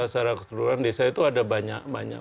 secara keseluruhan desa itu ada banyak banyak